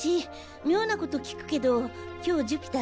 妙なこと聞くけど今日寿飛太